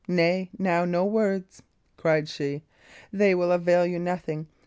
Nay, now, no words!" cried she. "They will avail you nothing.